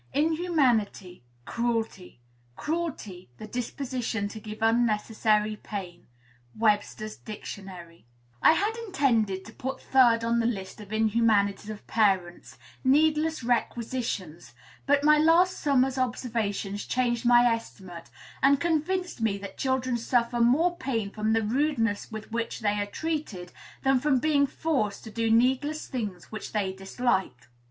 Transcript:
/# "Inhumanity Cruelty. Cruelty The disposition to give unnecessary pain." Webster's Dict. #/ I had intended to put third on the list of inhumanities of parents "needless requisitions;" but my last summer's observations changed my estimate, and convinced me that children suffer more pain from the rudeness with which they are treated than from being forced to do needless things which they dislike.